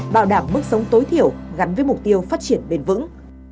bảo đảm mức sống tối thiểu gắn với mục tiêu phát triển bền vững